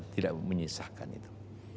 tidak menyisahkan itu